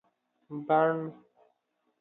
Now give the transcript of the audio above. بڼ